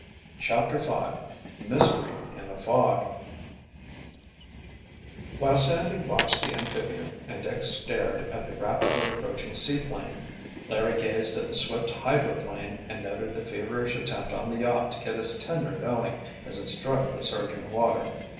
CHAPTER V MYSTERY IN THE FOG While Sandy watched the amphibian and Dick stared at the rapidly approaching sea plane, Larry gazed at the swift hydroplane and noted the feverish attempt on the yacht to get its tender going as it struck the surging water.